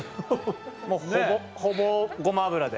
もうほぼほぼごま油で。